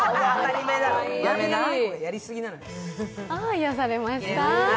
癒やされました。